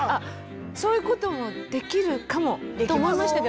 そういうこともできるかもと思いましたけど。